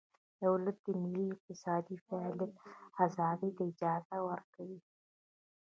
دولت د ملي اقتصادي فعالیت ازادۍ ته اجازه ورکوي